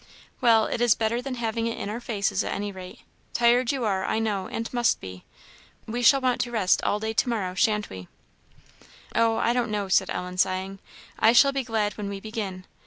"Well, it is better than having it in our faces, at any rate. Tired you are, I know, and must be. We shall want to rest all day tomorrow, shan't we?" "Oh, I don't know!" said Ellen, sighing; "I shall be glad when we begin.